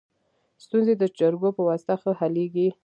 ستونزي د جرګو په واسطه ښه حلیږي.